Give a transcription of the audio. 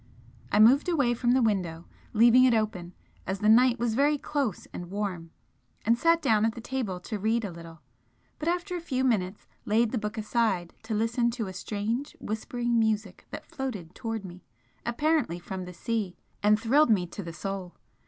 I moved away from the window, leaving it open, as the night was very close and warm, and sat down at the table to read a little, but after a few minutes laid the book aside to listen to a strange whispering music that floated towards me, apparently from the sea, and thrilled me to the soul.